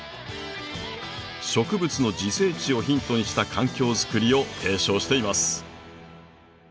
植物の自生地をヒントにした環境づくりを提唱しています。